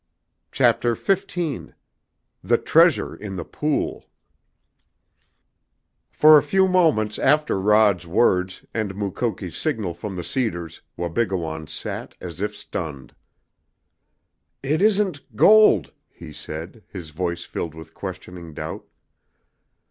CHAPTER XV THE TREASURE IN THE POOL For a few moments after Rod's words and Mukoki's signal from the cedars Wabigoon sat as if stunned. "It isn't gold," he said, his voice filled with questioning doubt.